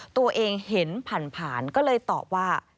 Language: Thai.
ตัวเองเห็นผ่านผ่านก็เลยตอบว่า